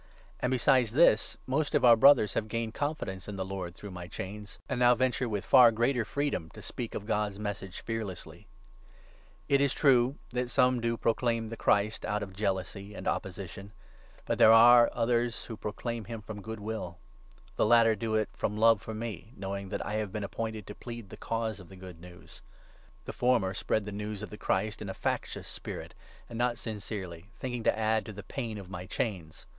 And besides this, most of 14 our Brothers have gained confidence in the Lord through my chains, and now venture with far greater freedom to speak of God's Message fearlessly. The a read ^ '1S true ^at some ^° proclaim the Christ out 15 of the of jealousy and opposition ; but there are others Gospel. who proclaim him from good will. The latter do 16 it from love for me, knowing that I have been appointed to plead the cause of the Good News. The former spread the 17 news of the Christ in a factious spirit, and not sincerely, think ing to add to the pain of my chains.